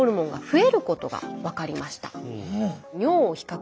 え⁉